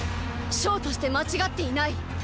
将として間違っていない。